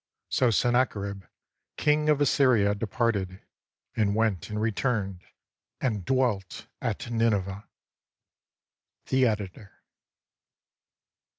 So Sennacherib, king of Assyria, departed, and went and returned, and dwelt at Nineveh." The Editor.